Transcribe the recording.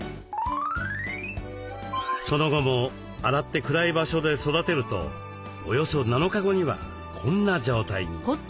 その後も洗って暗い場所で育てるとおよそ７日後にはこんな状態に。